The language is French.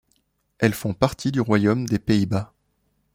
Elles font partie du Royaume des Pays-Bas.